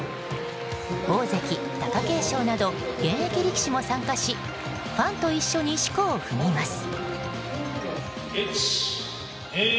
大関などの現役力士も参加しファンと一緒に四股を踏みます。